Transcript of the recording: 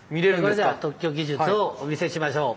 それでは特許技術をお見せしましょう。